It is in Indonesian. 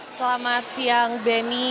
selamat siang benny